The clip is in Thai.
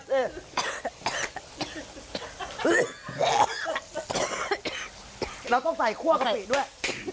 จำเป็นต้องใส่คั่วกะเตี๋ยวด้วย